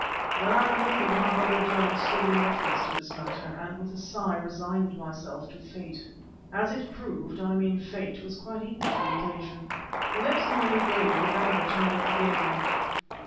Then I remembered how Brother John stood in reference to this matter, and with a sigh resigned myself to fate. As it proved it, I mean Fate, was quite equal to the occasion. The very next morning, early, Babemba turned up again.